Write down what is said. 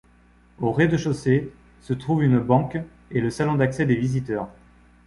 Au rez-de-chaussée, se trouvent une banque et le salon d'accès des visiteurs.